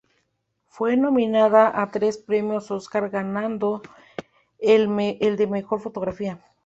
Fue nominada a tres premios Óscar, ganando el de mejor fotografía.